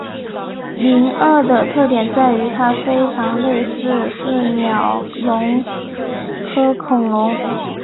灵鳄的特点在于它非常类似似鸟龙科恐龙。